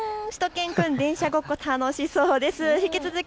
しゅと犬くんは電車ごっこ、楽しそうですね。